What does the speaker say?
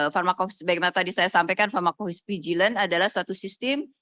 pharmacovigilance bagaimana tadi saya sampaikan pharmacovigilance adalah satu sistem